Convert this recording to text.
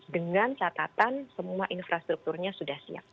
dengan catatan semua infrastrukturnya sudah siap